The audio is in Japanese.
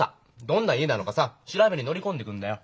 どんな家なのかさ調べに乗り込んでくんだよ。